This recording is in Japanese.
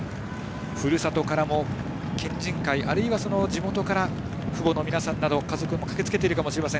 ふるさとからも県人会あるいは地元から父母の皆さんなど家族も駆けつけているかもしれません。